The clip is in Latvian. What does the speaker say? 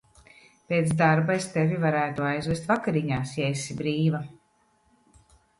Pēc darba es tevi varētu aizvest vakariņās, ja esi brīva.